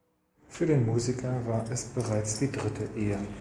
Für den Musiker war es bereits die dritte Ehe.